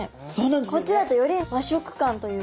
こっちだとより和食感というか。